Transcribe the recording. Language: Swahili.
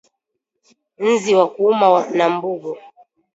nzi wa kuuma na Mbungo